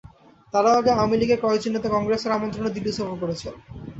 তারও আগে আওয়ামী লীগের কয়েকজন নেতা কংগ্রেসের আমন্ত্রণেও দিল্লি সফর করেছেন।